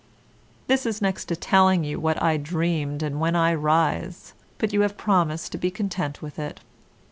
This is next to telling you what I dreamed and when I rise, but you have promised to be content with it.